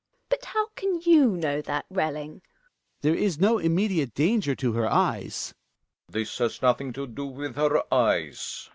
GiNA. But how can you know that, Relling ? Hjalmab. There is no immediate danger to her eyes. *''■ Relling. This has nothing to do with her eyes.